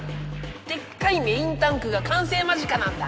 でっかいメインタンクがかんせい間近なんだ。